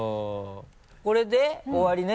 これで終わりね？